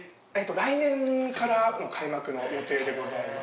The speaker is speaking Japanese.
・来年からの開幕の予定でございます。